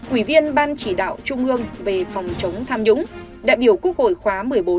ủy viên ban chỉ đạo trung ương về phòng chống tham nhũng đại biểu quốc hội khóa một mươi bốn